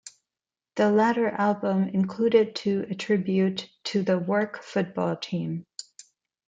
The latter album included to a tribute to the Wark football team.